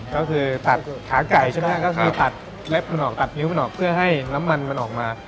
ก็คือตัดขาไก่ใช่ไหมก็คือตัดเล็บมันออกตัดนิ้วมันออกเพื่อให้น้ำมันมันออกมา